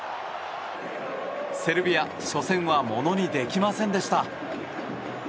セルビア、初戦はものにできませんでした。